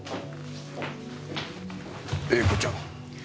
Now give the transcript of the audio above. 詠子ちゃん。